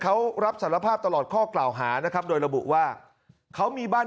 เขารับสารภาพตลอดข้อกล่าวหานะครับโดยระบุว่าเขามีบ้าน